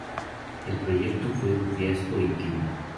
El proyecto fue un fiasco y timo.